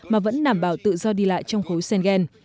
mà vẫn đảm bảo tự do đi lại trong khối sen